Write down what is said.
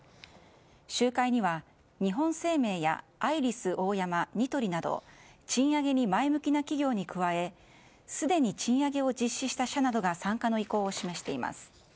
集会には日本生命やアイリスオーヤマ、ニトリなど賃上げに前向きな企業に加えすでに賃上げを実施した社などが参加の意向を示しています。